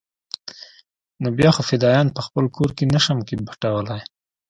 نو بيا خو فدايان په خپل کور کښې نه شم پټولاى.